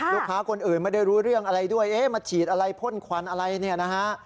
ลูกค้าคนอื่นไม่ได้รู้เรื่องอะไรด้วยเอ๊ะมาฉีดอะไรพ่นควันอะไรเนี่ยนะฮะ